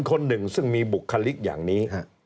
คนหนึ่งซึ่งมีบุคลิกอย่างนี้